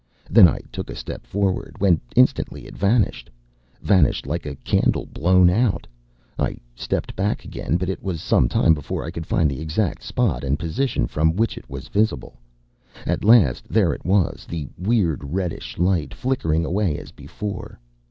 Then I took a step forward, when instantly it vanished, vanished like a candle blown out. I stepped back again; but it was some time before I could find the exact spot and position from which it was visible. At last, there it was, the weird reddish light, flickering away as before.